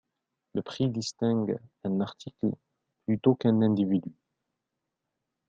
Le prix distingue un article, plutôt qu'un individu.